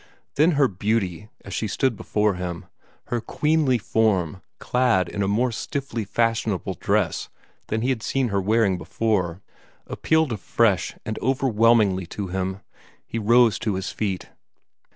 Then her beauty, as she stood before him, her queenly form clad in a more stiffly fashionable dress than he had seen her wearing before, appealed afresh and overwhelmingly to him. He rose to his feet.